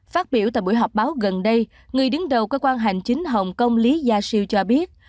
phát biểu tại buổi họp báo gần đây người đứng đầu cơ quan hành chính hồng kông lý gia siêu cho biết